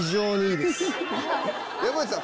山内さん。